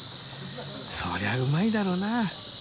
そりゃうまいだろうな。